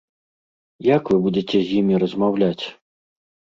Як вы будзеце з імі размаўляць?